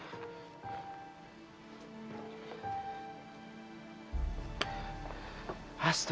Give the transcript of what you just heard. tuhan saya ingin tahu